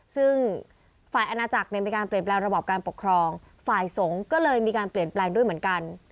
ซึ่งฝ่ายอาณาจักรมีการเปลี่ยนแปลงระบอบการปกครองฝ่ายสงฆ์ก็เลยมีการเปลี่ยนแปลงด้วยเหมือนกัน